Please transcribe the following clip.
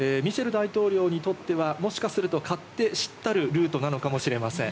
大統領にとってはもしかすると勝手知ったるルートなのかもしれません。